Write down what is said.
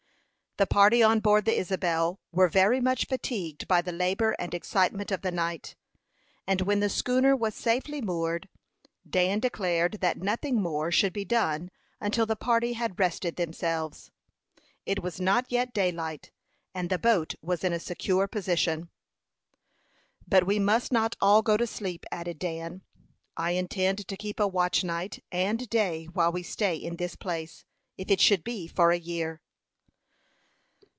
The party on board the Isabel were very much fatigued by the labor and excitement of the night; and when the schooner was safely moored, Dan declared that nothing more should be done until the party had rested themselves. It was not yet daylight, and the boat was in a secure position. "But we must not all go to sleep," added Dan. "I intend to keep a watch night and day while we stay in this place, if it should be for a year."